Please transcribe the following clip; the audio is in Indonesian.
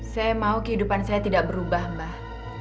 saya mau kehidupan saya tidak berubah mbah